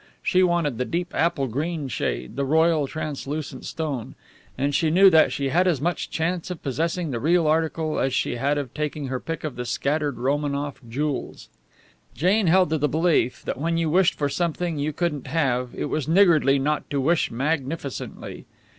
She wanted the deep apple green jade, the royal, translucent stone. And she knew that she had as much chance of possessing the real article as she had of taking her pick of the scattered Romanoff jewels. Jane held to the belief that when you wished for something you couldn't have it was niggardly not to wish magnificently.